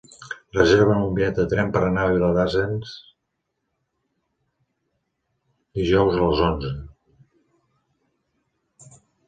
Reserva'm un bitllet de tren per anar a Viladasens dijous a les onze.